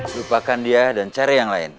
lupakan dia dan cari yang lain